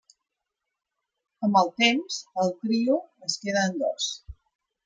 Amb el temps, el trio es queda en dos.